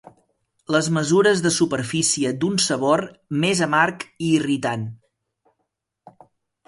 Les mesures de superfície d'un sabor més amarg i irritant.